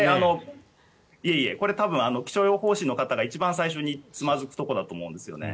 これ、多分気象予報士の方が一番最初につまずくところだと思うんですね。